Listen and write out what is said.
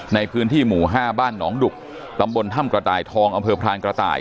ในพื้นที่หมู่๕บ้านหนองดุกตำบลถ้ำกระต่ายทองอำเภอพรานกระต่าย